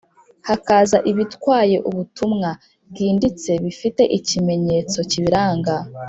hakaza ibitwaye ubutumwa bwinditse bifite ikimenyetso kibiranga